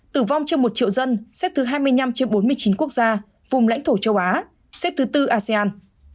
tử vong trên một triệu dân xếp thứ hai mươi năm trên bốn mươi chín quốc gia vùng lãnh thổ châu á xếp thứ tư asean